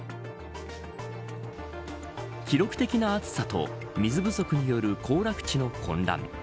記録的な暑さと水不足による行楽地の混乱。